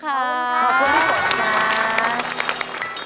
ขอบคุณที่ฝนนะ